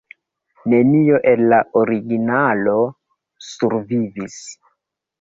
Nenio el la originalo survivis.